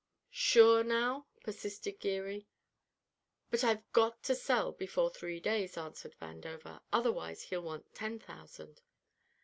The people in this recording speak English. "Sure now?" persisted Geary. "But I've got to sell before three days," answered Vandover. "Otherwise he'll want ten thousand."